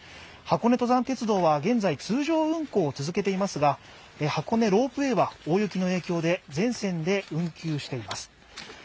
箱根登山鉄道は現在、通常運行を続けていますが箱根ロープウェイは大雪の影響で、全線で運休しています。